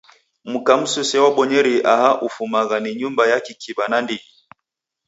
Mka msuse wabonyeria aha ufumagha ni nyumba ya kikiw'a nandighi.